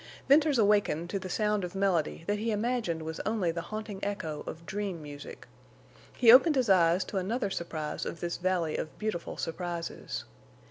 Venters awakened to the sound of melody that he imagined was only the haunting echo of dream music. He opened his eyes to another surprise of this valley of beautiful surprises.